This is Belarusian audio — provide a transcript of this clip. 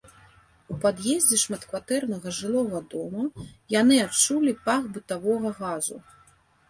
У пад'ездзе шматкватэрнага жылога дома яны адчулі пах бытавога газу.